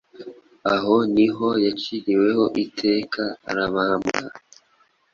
Aho niho yaciriweho iteka arabambwa.